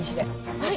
はい。